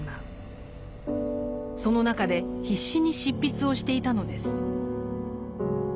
その中で必死に執筆をしていたのです。